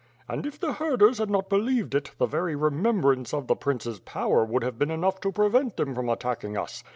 And if the herders had not be lieved it, the very remembrance of the prince's power would have been enough to prevent them from attacking us.